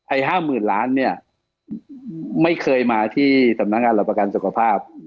๕๐๐๐ล้านเนี่ยไม่เคยมาที่สำนักงานหลักประกันสุขภาพ